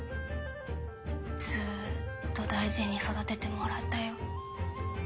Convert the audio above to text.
ずっと大事に育ててもらったよ。